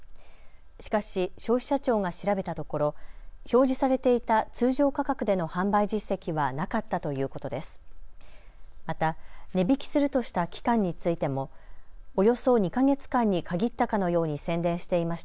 しかし消費者庁が調べたところ表示されていた通常価格での販売実績はなかったということです。